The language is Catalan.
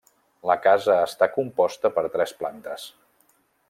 La casa està composta per tres plantes.